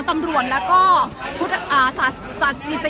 ก็ไม่มีใครกลับมาเมื่อเวลาอาทิตย์เกิดขึ้น